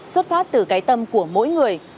xuất phát từ cái tâm của mỗi người